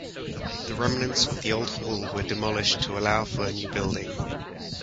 The remnants of the old hall were demolished to allow for a new building.